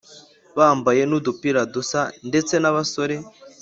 bambaye n’udupira dusa ndetse n’abasore